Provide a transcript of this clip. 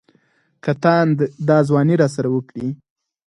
که تاند دا ځواني راسره وکړي.